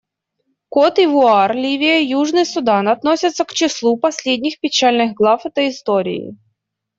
Котд'Ивуар, Ливия и Южный Судан относятся к числу последних печальных глав этой истории.